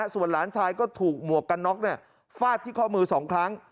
ส่วนหลานชายก็ถูกหมวกกันน็อกฟาดที่ข้อมือ๒ครั้ง